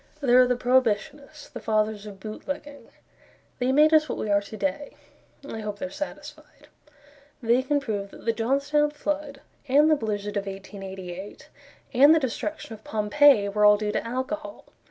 There are the Prohibitionists; The Fathers of Bootlegging. They made us what we are to day I hope they're satisfied. They can prove that the Johnstown flood, And the blizzard of 1888, And the destruction of Pompeii Were all due to alcohol.